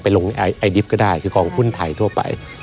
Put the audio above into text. ลงไอดิบก็ได้คือกองทุนไทยทั่วไป